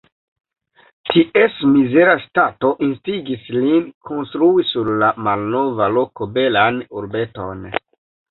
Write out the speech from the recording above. Ties mizera stato instigis lin, konstrui sur la malnova loko belan urbeton.